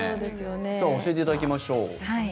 さあ、教えていただきましょう。